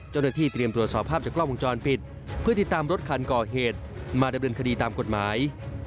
เจ้าหน้าที่เตรียมตรวจสอบภาพจากกล้องวงจรปิดเพื่อติดตามรถคันก่อเหตุมาดำเนินคดีตามกฎหมาย